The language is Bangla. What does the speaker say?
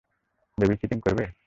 বেবি সিটিং করবে?